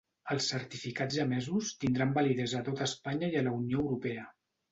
Els certificats emesos tindran validesa a tota Espanya i a la Unió Europea.